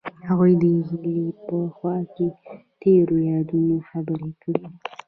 هغوی د هیلې په خوا کې تیرو یادونو خبرې کړې.